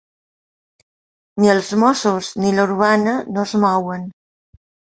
Ni els Mossos ni la Urbana no es mouen.